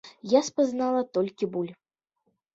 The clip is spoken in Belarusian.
Я спазнала толькі боль.